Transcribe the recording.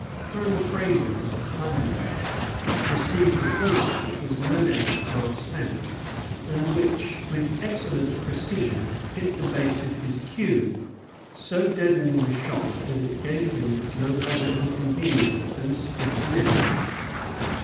Colonel Fraser, of the Highlanders, received a bullet which was no doubt half spent, and which, with excellent precision, hit the base of his queue, so deadening the shock that it gave him no other inconvenience than a stiff neck.